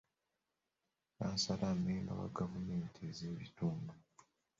Kkansala mmemba wa gavumenti ez'ebitundu.